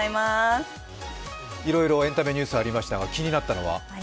いろいろエンタメニュースありましたが、気になったのは？